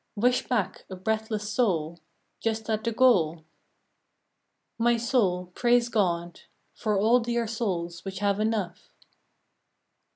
Wish back a breathless soul Just at the goal ? My soul, praise God For all dear souls which have enough.